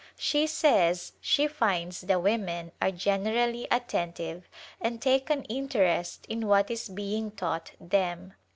She says she finds the women are generally attentive and take an interest in what is being taught them.